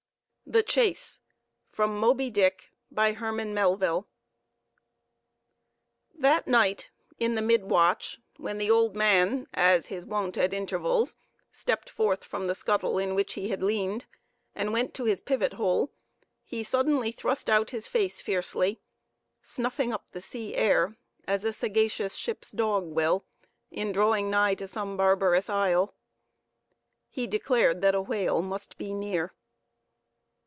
THE CHASE (From Moby Dick.) By HERMAN MELVILLE. That night, in the mid watch, when the old man—as his wont at intervals—stepped forth from the scuttle in which he leaned, and went to his pivot hole, he suddenly thrust out his face fiercely, snuffing up the sea air as a sagacious ship's dog will, in drawing nigh to some barbarous isle. He declared that a whale must be near.